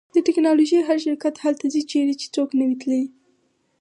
د ټیکنالوژۍ هر شرکت هلته ځي چیرې چې څوک نه وي تللی